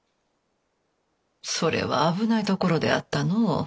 それは危ないところであったのう。